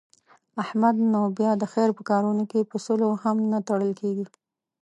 احمد نو بیا د خیر په کارونو کې په سلو هم نه تړل کېږي.